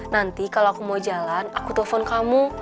nanti kalau aku mau jalan aku telpon kamu